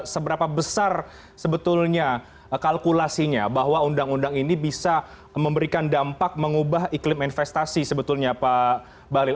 seberapa besar sebetulnya kalkulasinya bahwa undang undang ini bisa memberikan dampak mengubah iklim investasi sebetulnya pak bahlil